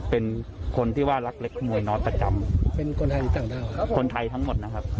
เป็นคนที่ว่ารักเล็กมวยน้อยประจำเป็นคนไทยต่างด้าวครับคนไทยทั้งหมดนะครับ